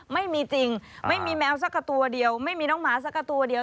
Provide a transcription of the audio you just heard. ไม่มีจริงไม่มีแมวสักตัวเดียวไม่มีน้องหมาสักตัวเดียว